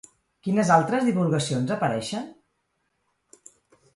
Quines altres divulgacions apareixen?